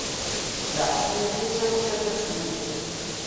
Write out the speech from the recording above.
Leɛca-ayi ad tawi tafat s wudem.